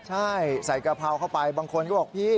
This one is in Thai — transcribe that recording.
ใช่ใส่กะเพราเข้าไปบางคนก็บอกพี่